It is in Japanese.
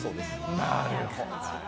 なるほど。